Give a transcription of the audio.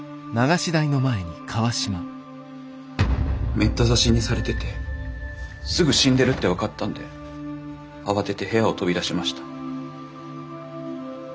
めった刺しにされててすぐ死んでるって分かったんで慌てて部屋を飛び出しました。